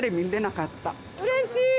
うれしい。